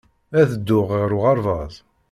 Ad dduɣ ɣer uɣerbaz.